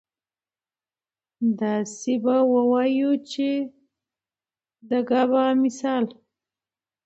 داسې به اووايو چې د ګابا مثال